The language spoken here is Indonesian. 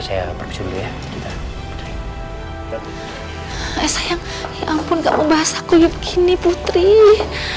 saya berpisah dulu ya putri ya ampun kamu bahas aku begini putri kamu kenapa lah kamu dari mana